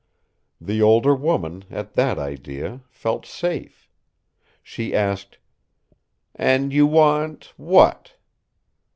The older woman, at that idea, felt safe. She asked: "And you want what?"